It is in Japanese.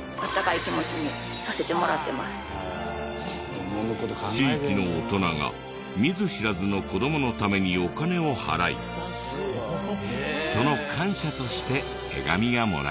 私が地域の大人が見ず知らずの子どものためにお金を払いその感謝として手紙がもらえる。